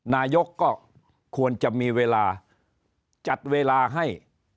นายกก็ควรจะมีเวลาจัดเวลาให้